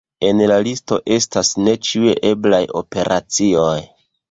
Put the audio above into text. En la listo estas ne ĉiuj eblaj operacioj.